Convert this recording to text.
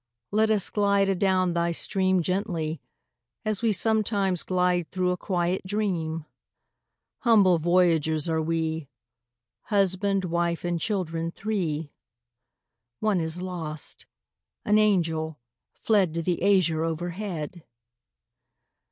Let us glide adown thy stream Gently as we sometimes glide Through a quiet dream! Humble voyagers are we, Husband, wife, and children three (One is lost an angel, fled To the azure overhead!)